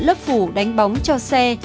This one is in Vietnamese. lớp phủ đánh bóng cho xe